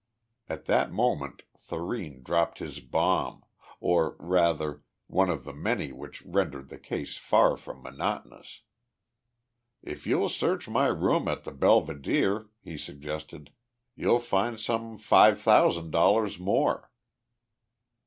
At that moment Thurene dropped his bomb or, rather, one of the many which rendered the case far from monotonous. "If you'll search my room at the Belvedere," he suggested, "you'll find some five thousand dollars more."